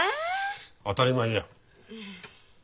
当たり前や。